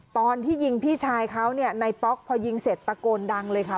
ตอนที่ยิงพี่ชายเขาเนี่ยในป๊อกพอยิงเสร็จตะโกนดังเลยค่ะ